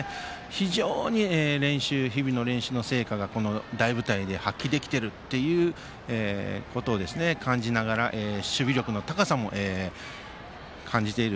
非常に日々の練習の成果がこの大舞台で発揮できているということを感じながら守備力の高さも感じている